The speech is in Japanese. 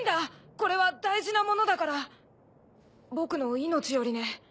これは大事なものだから僕の命よりね。